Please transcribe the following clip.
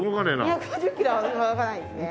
２５０キロは動かないですね